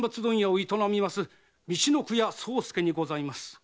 陸奥屋宗助にございます。